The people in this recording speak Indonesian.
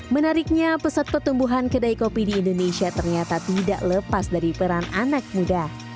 menariknya pesat pertumbuhan kedai kopi di indonesia ternyata tidak lepas dari peran anak muda